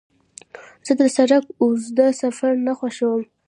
زه د سړک اوږد سفر نه خوښوم.